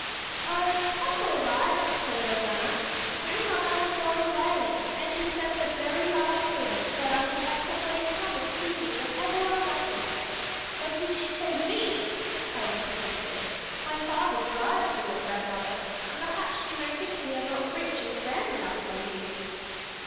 "Oh, that's all right!" said Rosanna. "Grandmother has gone away, and she said the very last thing that I could have somebody come and see me whenever I wanted." "But did she say me?" Helen persisted. "My father drives for your grandmother and perhaps she may think we are not rich and grand enough for you."